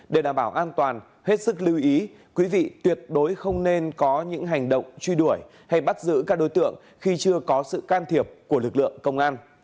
để đảm bảo an toàn hết sức lưu ý quý vị tuyệt đối không nên có những hành động truy đuổi hay bắt giữ các đối tượng khi chưa có sự can thiệp của lực lượng công an